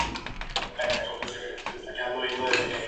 Un caso era el de un niño que recientemente había viajado a California.